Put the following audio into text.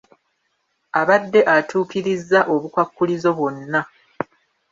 Abadde atuukirizza obukwakkulizo bwonna.